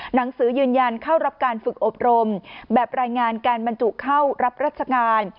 หนังสือยืนยันเข้ารับการฝึกอบรมแบบรายงานการบรรจุเข้ารับราชการ